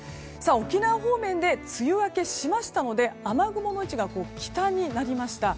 沖縄方面で梅雨明けしましたので雨雲の位置が北になりました。